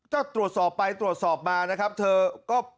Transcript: ก็ตรวจสอบไปตรวจสอบมานะครับเธอก็